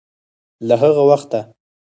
له هغه وخته